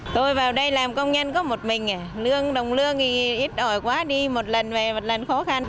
tôi vào đây làm công nhân có một mình lương đồng lương thì ít ỏi quá đi một lần về một lần khó khăn